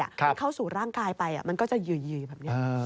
มันเข้าสู่ร่างกายไปมันก็จะอยู่แบบนี้